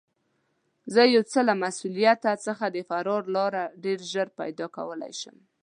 زه یو څه له مسوولیته څخه د فرار لاره ډېر ژر پیدا کولای شم.